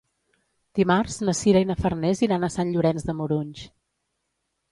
Dimarts na Sira i na Farners iran a Sant Llorenç de Morunys.